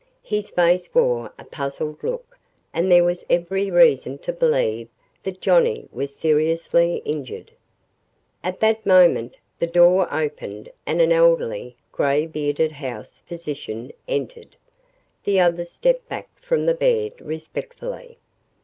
His face wore a puzzled look and there was every reason to believe that Johnnie was seriously injured. At that moment the door opened and an elderly, gray bearded house physician entered. The others stepped back from the bed respectfully.